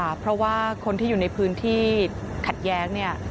เพราะว่าคนที่อยู่ในพื้นที่ขัดแย้งเนี่ย